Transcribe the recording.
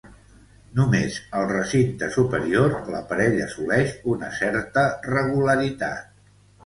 Només al recinte superior l'aparell assoleix una certa regularitat.